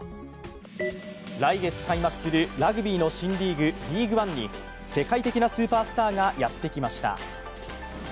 来月開幕するラグビーの新リーグ、ＬＥＡＧＵＥＯＮＥに世界的なスーパースターがやってきました。